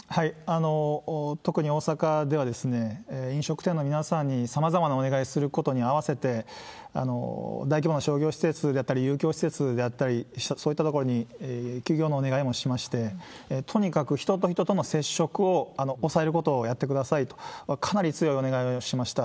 特に大阪では、飲食店の皆さんにさまざまなお願いをすることに併せて、大規模な商業施設だったり、遊興施設であったり、そういった所に休業のお願いもしまして、とにかく人と人との接触を抑えることをやってくださいと、かなり強いお願いをしました。